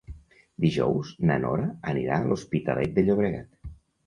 Dijous na Nora anirà a l'Hospitalet de Llobregat.